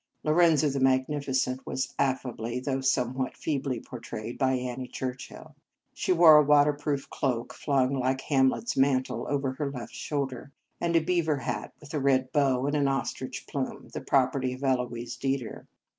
Lorenzo the Magnifi cent was affably, though somewhat feebly, portrayed by Annie Churchill, who wore a waterproof cloak, flung, like Hamlet s mantle, over her left shoulder, and a beaver hat with a red bow and an ostrich plume, the prop erty of Eloise Didier.